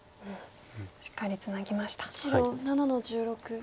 しっかりツナぎました。